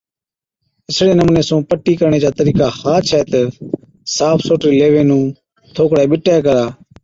اِسڙي نمُوني سُون پٽِي ڪرڻي چا طرِيقا ها ڇَي تہ صاف سوٽرِي ليوي نُون ٿوڪڙَي ٻِٽَي ڪرا